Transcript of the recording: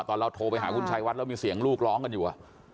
เราโทรไปหาคุณชายวัดแล้วมีเสียงลูกร้องกันอยู่